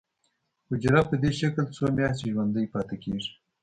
حجره په دې شکل څو میاشتې ژوندی پاتې کیږي.